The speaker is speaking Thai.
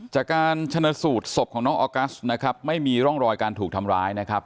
จากการชนะสูตรศพของน้องออกัสนะครับไม่มีร่องรอยการถูกทำร้ายนะครับ